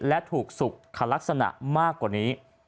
และถูกสุขลักษณะมากกว่านี้